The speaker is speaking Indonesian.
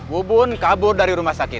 wubun kabur dari rumah sakit